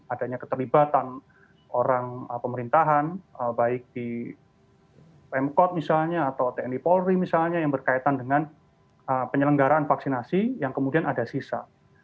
adanya keterlibatan orang pemerintahan baik di pemkot misalnya atau tni polri misalnya yang berkaitan dengan penyelenggaraan vaksinasi yang kemudian ada sisa